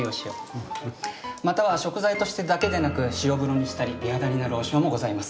または食材としてだけでなく塩風呂にしたり美肌になるお塩もございます。